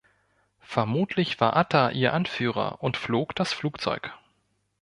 Vermutlich war Atta ihr Anführer und flog das Flugzeug.